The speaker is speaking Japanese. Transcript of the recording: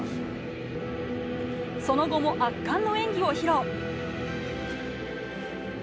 その後も圧巻の演技を披露。